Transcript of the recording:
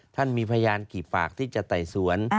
ท่านมีพยานกี่ปากที่จะไต่สวน